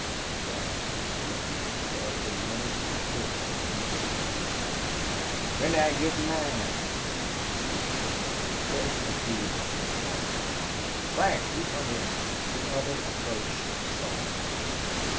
The dark faced ruffian shoved a menacing fist under Sandy's nose. "When do I git mine?" he demanded. Fresno wheeled and called, "Frank, you come here!" The other approached sullenly.